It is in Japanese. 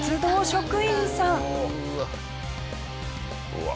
うわ。